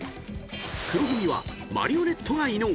［黒組はマリオネットが伊野尾］